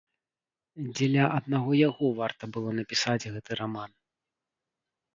Дзеля яго аднаго варта было напісаць гэты раман.